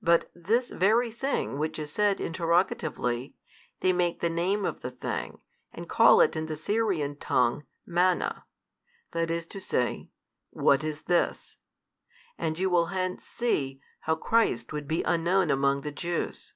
But this very thing which is said interrogatively, they make the name of the thing, and call it in the Syrian tongue, Manna, i.e., What is this? and you will hence see, how Christ would be unknown among the Jews.